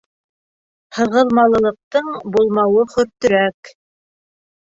Һығылмалылыҡтың булмауы хөртөрәк.